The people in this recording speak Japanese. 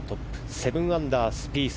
７アンダー、スピース。